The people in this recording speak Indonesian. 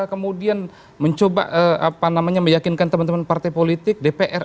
kemudian mencoba meyakinkan teman teman partai politik dpr